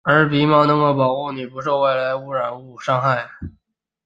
而鼻毛能够保护你不受外来污染物伤害。